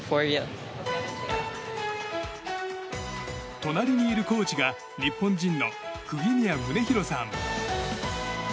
隣にいるコーチが日本人の釘宮宗大さん。